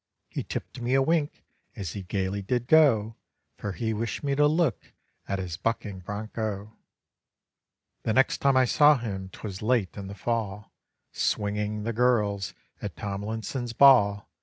He tipped me a wink as he gaily did go; For he wished me to look at his bucking broncho. The next time I saw him 'twas late in the fall, Swinging the girls at Tomlinson's ball.